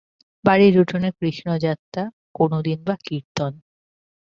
বাড়ির উঠোনে কৃষ্ণযাত্রা, কোনোদিন বা কীর্তন।